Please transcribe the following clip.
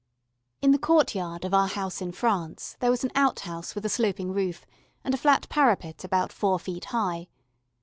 In the courtyard of our house in France there was an out house with a sloping roof and a flat parapet about four feet high.